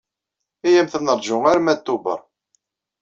Iyyamt ad neṛju arma Tubeṛ.